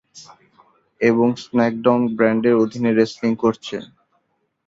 এবং স্ম্যাকডাউন ব্র্যান্ডের অধীনে রেসলিং করছে।